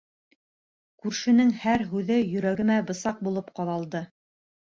Күршенең һәр һүҙе йөрәгемә бысаҡ булып ҡаҙалды.